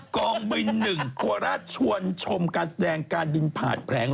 กล้องบินหนึ่งโคราชชวนชมการแสดงการบินผ่าดแผง